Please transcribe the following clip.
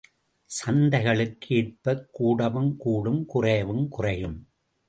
சந்தைகளுக்கு ஏற்பக் கூடவும் கூடும் குறையவும் குறையும்.